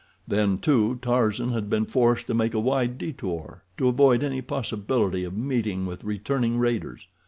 Then, too, Tarzan had been forced to make a wide detour to avoid any possibility of meeting with returning raiders.